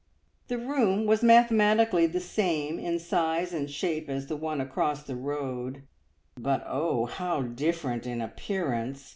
The room was mathematically the same in size and shape as the one across the road, but oh, how different in appearance!